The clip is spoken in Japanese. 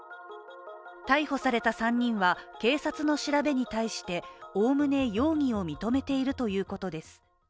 逮捕された３人は警察の調べに対しておおむね容疑を認めているということです。